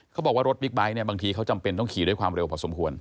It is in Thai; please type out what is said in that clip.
เขาบอกว่ารถบิ๊กไบท์เนี่ยบางทีเขาจำเป็นต้องขี่ด้วยความเร็วพอสมควร